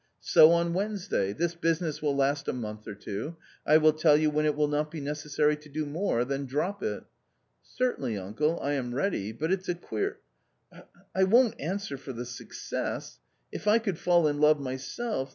So on Wednesday ! This business will last a month or two. I will tell you when it will not be necessary to do more, then drop it. " Certainly, uncle, I am ready ; but it's a queer 1 won't answer for the success .... if I could fall in love myself